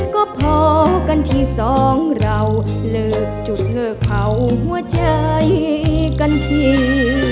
ก็พอกันที่สองเราเลิกจุดเธอเผาหัวใจกันที